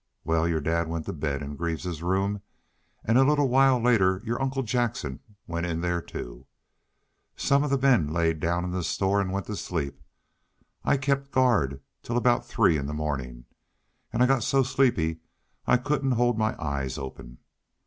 Wal, your dad went to bed in Greaves's room, an' a little while later your uncle Jackson went in there, too. Some of the men laid down in the store an' went to sleep. I kept guard till aboot three in the mawnin'. An' I got so sleepy I couldn't hold my eyes open.